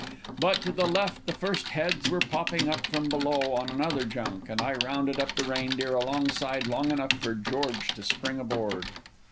But to the left the first heads were popping up from below on another junk, and I rounded up the Reindeer alongside long enough for George to spring aboard.